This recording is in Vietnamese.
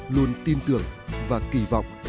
luôn tin tưởng và kỳ vọng